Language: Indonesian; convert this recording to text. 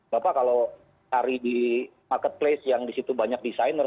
bapak kalau tari di marketplace yang disitu banyak designer